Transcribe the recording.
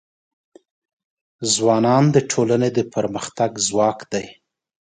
ځوانان د ټولنې د پرمختګ ځواک دی.